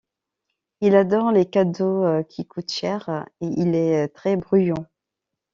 Il adore les cadeaux qui coûtent cher et il est très bruyant.